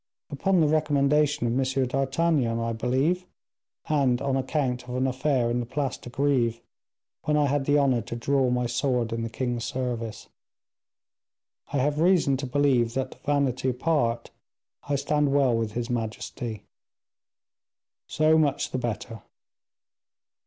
"Upon the recommendation of M. d'Artagnan, I believe, and on account of an affair in the Place de Greve, when I had the honor to draw my sword in the king's service. I have reason to believe that, vanity apart, I stand well with his majesty." "So much the better."